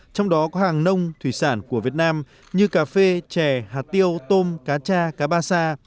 trong đó có hàng nông thủy sản của việt nam như cà phê chè hạt tiêu tôm cá cha cá ba sa